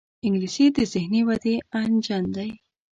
انګلیسي د ذهني ودې انجن دی